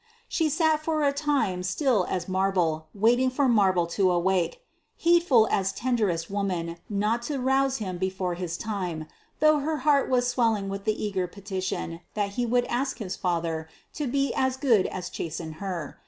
She sat for a time still as marble waiting for marble to awake, heedful as tenderest woman not to rouse him before his time, though her heart was swelling with the eager petition that he would ask his Father to be as good as chasten her.